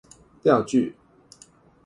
釣具